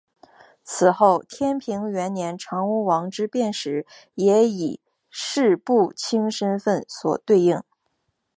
此后天平元年长屋王之变时也以式部卿身份所对应。